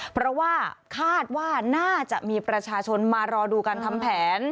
เพราะว่าคาดว่าน่าจะมีประชาชนมารอดูการทำแผน